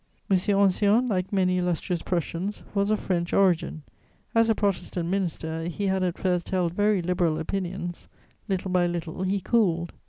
M. Ancillon, like many illustrious Prussians, was of French origin: as a Protestant minister, he had at first held very Liberal opinions; little by little he cooled.